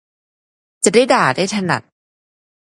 จะได้ด่าได้ถนัด